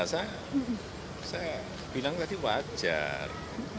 saya bilang tadi wajar